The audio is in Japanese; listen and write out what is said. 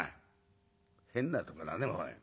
「変なとこだねおい。